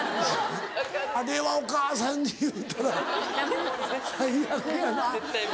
あれはお義母さんに言うたら最悪やな。